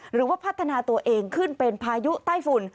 หรือว่าพัฒนาตัวเองขึ้นเป็นพายุใต้ฝุ่น